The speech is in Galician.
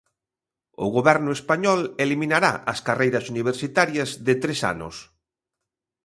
O Goberno español eliminará as carreiras universitarias de tres anos.